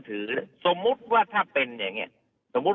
แบบที่แบบเอ่อแบบที่แบบเอ่อ